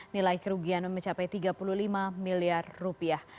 nilai kerugian mencapai tiga puluh lima miliar rupiah